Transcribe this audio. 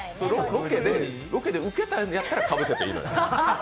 ロケでウケたんやったら、かぶせていいのよ。